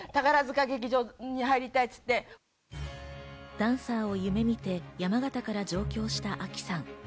ダンサーを夢見て山形から上京した、あきさん。